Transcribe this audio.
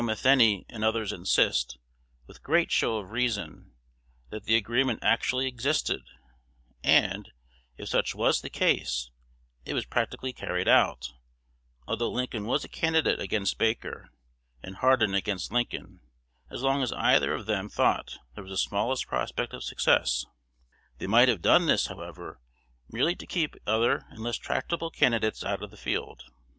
Matheny and others insist, with great show of reason, that the agreement actually existed; and, if such was the case, it was practically carried out, although Lincoln was a candidate against Baker, and Hardin against Lincoln, as long as either of them thought there was the smallest prospect of success. They might have done this, however, merely to keep other and less tractable candidates out of the field.